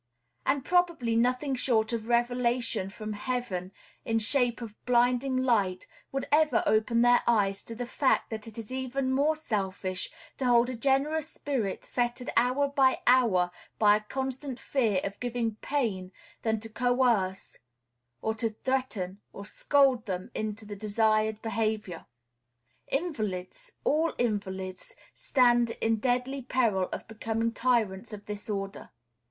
And probably nothing short of revelation from Heaven, in shape of blinding light, would ever open their eyes to the fact that it is even more selfish to hold a generous spirit fettered hour by hour by a constant fear of giving pain than to coerce or threaten or scold them into the desired behavior. Invalids, all invalids, stand in deadly peril of becoming tyrants of this order.